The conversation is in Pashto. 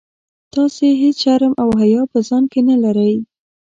تاسي هیڅ شرم او حیا په ځان کي نه لرئ.